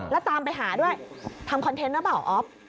แล้วตามไปหาด้วยทำคอนเทนต์หรือเปล่าอ๊อฟ